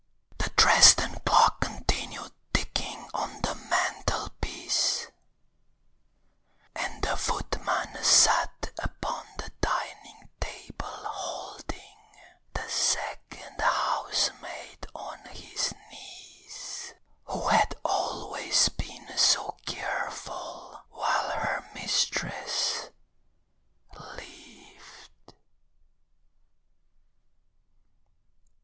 The Dresden clock continued ticking on the mantelpiece, And the footman sat upon the dining table Holding the second housemaid on his knees Who had always been so careful while her mistress lived.